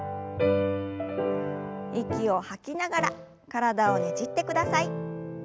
息を吐きながら体をねじってください。